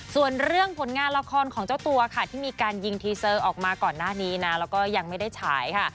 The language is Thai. ส่วนเรื่องผลงานละครของเจ้าตัวค่ะที่มีการยิงทีเซอร์ออกมาก่อนหน้านี้นะแล้วก็ยังไม่ได้ฉายค่ะ